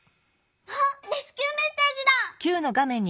はっレスキューメッセージだ！